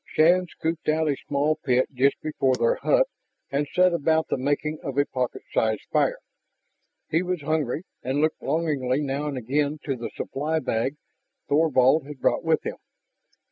Shann scooped out a small pit just before their hut and set about the making of a pocket sized fire. He was hungry and looked longingly now and again to the supply bag Thorvald had brought with him.